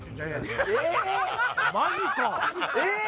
え⁉マジか。